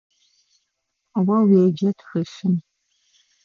О уеджэ тхылъым.